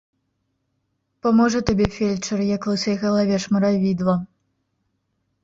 Паможа табе фельчар, як лысай галаве шмаравідла.